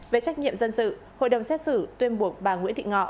về trách nhiệm dân sự hội đồng xét xử tuyên buộc bà nguyễn thị ngọ